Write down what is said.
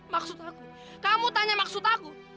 maksud aku kamu tanya maksud aku